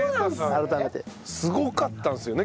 改めて。すごかったんですよね